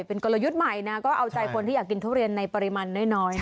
เป็นกลยุทธ์ใหม่นะก็เอาใจคนที่อยากกินทุเรียนในปริมาณน้อย